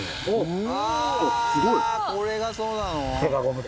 これがそうなの？